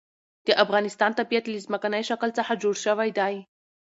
د افغانستان طبیعت له ځمکنی شکل څخه جوړ شوی دی.